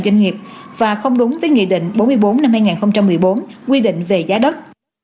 doanh nghiệp và không đúng với nghị định bốn mươi bốn năm hai nghìn một mươi bốn quy định về giá đất